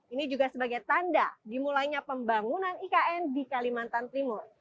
ini juga sebagai tanda dimulainya pembangunan ikn di kalimantan timur